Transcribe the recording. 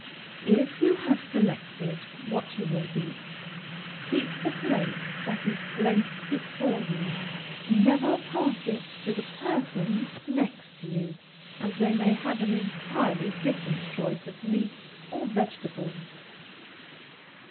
If you have selected what you will eat, keep the plate that is placed before you; never pass it to the persons next you, as they may have an entirely different choice of meat or vegetables.